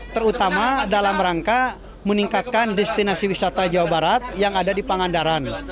terutama dalam rangka meningkatkan destinasi wisata jawa barat yang ada di pangandaran